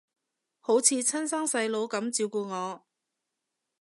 好似親生細佬噉照顧我